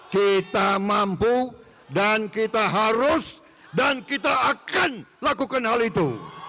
kita mampu dan kita harus dan kita akan lakukan hal itu